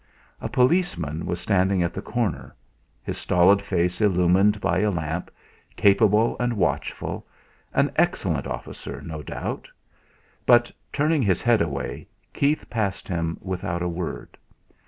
A policeman was standing at the corner, his stolid face illumined by a lamp; capable and watchful an excellent officer, no doubt; but, turning his head away, Keith passed him without a word.